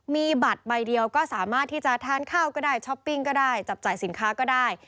มีบัตรใบเดียวก็สามารถที่จะทานข้าวก็ได้ช้อปปิ้งก็ได้จับจ่ายสินค้าก็ได้